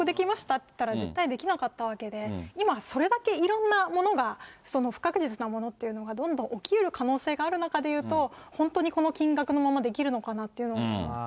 って言ったら、全然できなかったわけで、今、それだけいろんなものが不確実なものがどんどん起きうる可能性がある中でいうと、本当にこの金額のままできるのかなって思います。